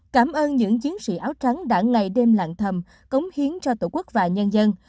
cảm ơn những chiến sĩ áo trắng đã ngày đêm lạng thầm cống hiến cho tổ quốc và nhân dân